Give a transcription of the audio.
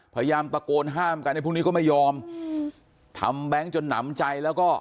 พยายามประโกนห้ามกันให้พวกนี้ก็ไม่ยอมฮือทำจนหนำใจแล้วก็